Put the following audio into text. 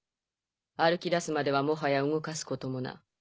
歩きだすまではもはや動かすこともな。